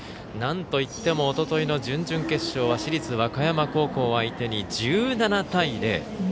なんといってもおとといの準々決勝は市立和歌山高校相手に１７対０。